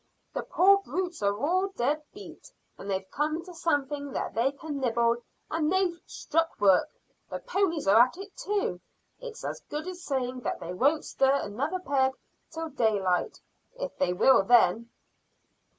"The poor brutes are all dead beat; they've come to something that they can nibble, and they've struck work. The ponies are at it too. It's as good as saying that they won't stir another peg till daylight, if they will then."